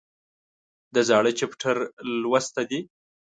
د زاړه چپټر لوسته دي